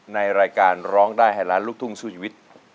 ในรายการร้องได้ให้ล้านลูกทุ่งสู้ชีวิต